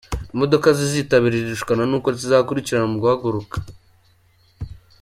Imodoka ziztabira iri rushanwa n’uko zizakurikirana mu guhaguruka.